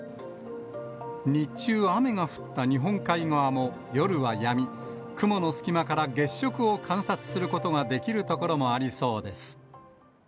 日中、雨が降った日本海側も、夜はやみ、雲の隙間から月食を観察することができる所もありそうです。